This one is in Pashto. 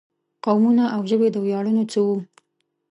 قومونه او ژبې د ویاړونو څه وو.